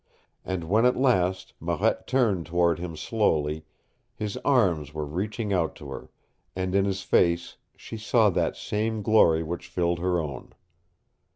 And when at last Marette turned toward him slowly, his arms were reaching out to her, and in his face she saw that same glory which filled her own.